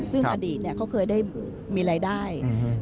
ซึ่งอดีตเขาเคยได้มีรายได้